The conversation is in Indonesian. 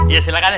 ya silahkan ya